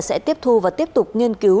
sẽ tiếp thu và tiếp tục nghiên cứu